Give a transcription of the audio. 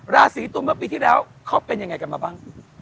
ราศีตุลเมื่อปีที่แล้วเขาเป็นยังไงกันมาบ้าง